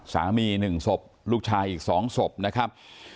สามี๑ศพลูกชายอีก๒ศพ